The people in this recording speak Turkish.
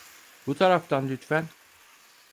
Bu taraftan lütfen.